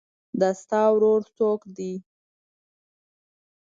د تا ورور څوک ده